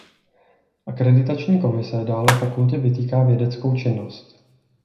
Akreditační komise dále fakultě vytýká vědeckou činnost.